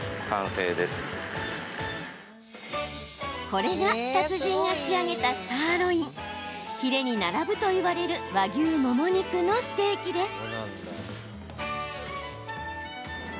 これが達人が仕上げたサーロインヒレに並ぶといわれる和牛もも肉のステーキです。